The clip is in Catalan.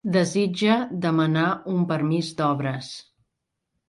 Desitja demanar un permís d'obres.